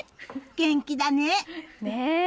元気だね。